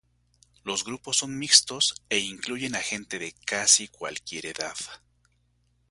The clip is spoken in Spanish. Los grupos son mixtos e incluyen a gente de casi cualquier edad.